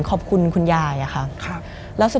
มันกลายเป็นรูปของคนที่กำลังขโมยคิ้วแล้วก็ร้องไห้อยู่